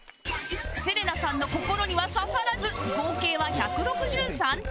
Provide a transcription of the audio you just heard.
セレナさんの心には刺さらず合計は１６３点